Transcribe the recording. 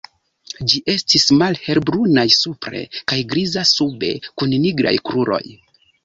Ĝi estis malhelbrunaj supre kaj griza sube kun nigraj kruroj.